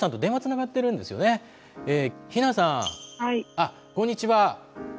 あっこんにちは。